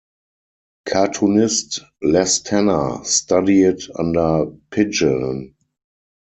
Cartoonist Les Tanner studied under Pidgeon.